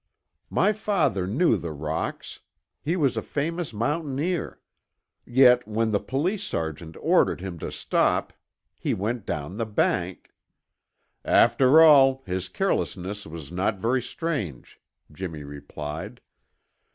"My father knew the rocks; he was a famous mountaineer. Yet when the police sergeant ordered him to stop he went down the bank " "After all, his carelessness was not very strange," Jimmy replied.